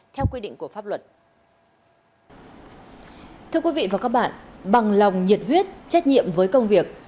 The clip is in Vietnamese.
thưa quý vị và các bạn bằng lòng nhiệt huyết trách nhiệm với công việc